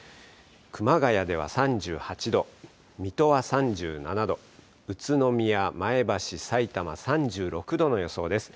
熊谷では３８度、水戸は３７度、宇都宮、前橋、さいたま３６度の予想です。